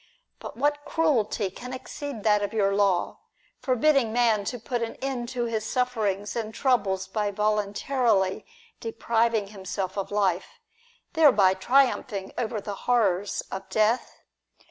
" But what ,^ cruelty can exceed that of your law, forbidding man to put an end to his sufferings and troubles by voluntarily depriving himself of life, thereby PLOTINUS AND PORPHYRIUS. 187 triumphing over the horrors of death